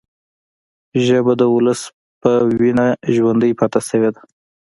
ژبه د ولس پر وینه ژوندي پاتې شوې ده